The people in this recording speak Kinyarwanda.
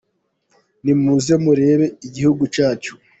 Nimuze murebe igihugu cyacu.